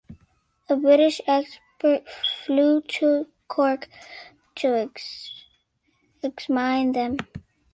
A British expert flew to Cork to examine them.